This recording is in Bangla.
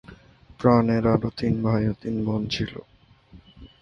প্রাণের আরও তিন ভাই ও তিন বোন ছিল।